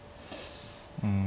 うん。